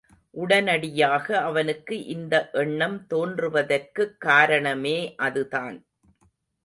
உடனடியாக அவனுக்கு இந்த எண்ணம் தோன்றுவதற்குக் காரணமே அதுதான்.